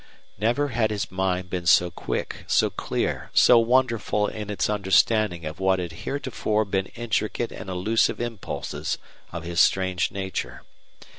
Never had his mind been so quick, so clear, so wonderful in its understanding of what had heretofore been intricate and elusive impulses of his strange nature.